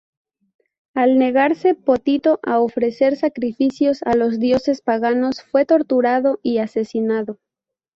Al negarse Potito a ofrecer sacrificios a los dioses paganos, fue torturado y asesinado.